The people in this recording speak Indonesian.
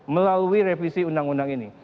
melalui revisi undang undang ini